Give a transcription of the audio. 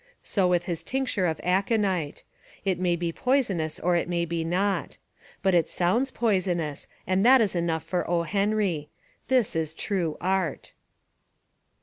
So with his tincture of aconite. It may be poisonous or It may be not. But it sounds poi sonous and that is enough for O. Henry. This Is true art.